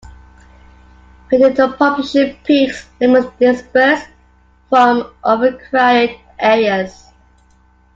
When their population peaks, lemmings disperse from overcrowded areas.